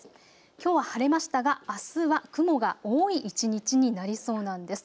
きょうは晴れましたがあすは雲が多い一日になりそうなんです。